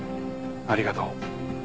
ありがとう。